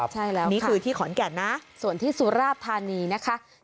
ใช่แล้วค่ะส่วนที่สุราบธานีนะคะนี่คือที่ขอนแก่น